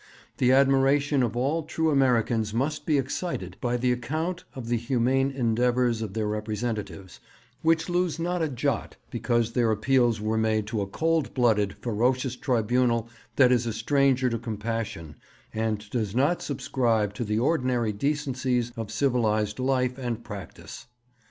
The admiration of all true Americans must be excited by the account of the humane endeavours of their representatives, which lose not a jot because their appeals were made to a cold blooded, ferocious tribunal that is a stranger to compassion, and does not subscribe to the ordinary decencies of civilized life and practice.